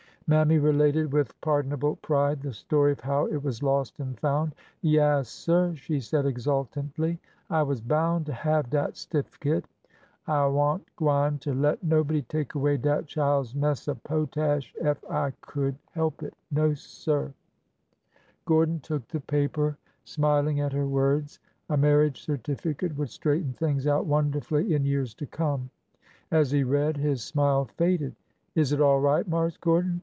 Mammy related with pardonable pride the story of how it was lost and found. Yaassir 1 " she said exultantly ;'' I was boun' to have dat stiffkit ! I wa'n't gwineter let nobody take away dat chile's mess of potash ef I could help it 1 No, sir I " Gordon took the paper, smiling at her words. A mar riage certificate would straighten things out wonderfully in years to come. As he read, his smile faded. " Is it all right, Marse Gordon?"